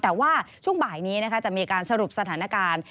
แต่ว่าช่วงบ่ายนี้นะคะจะมีการสรุปสถานการณ์